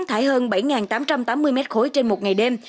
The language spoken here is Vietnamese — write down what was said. thải hơn bảy tám trăm tám mươi m ba trên một ngày đêm